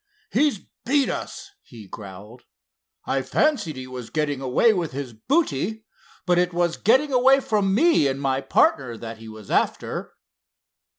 "He's beat us!" he growled. "I fancied he was getting away with his booty—but it was getting away from me and my partner that he was after."